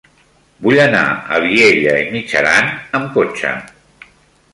Vull anar a Vielha e Mijaran amb cotxe.